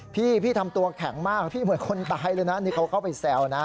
พี่พี่ทำตัวแข็งมากพี่เหมือนคนตายเลยนะนี่เขาเข้าไปแซวนะ